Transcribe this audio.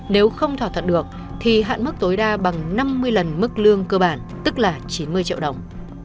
nếu không thỏa thuận được thì hạn mức tối đa bằng năm mươi lần mức lương cơ bản tức là chín mươi triệu đồng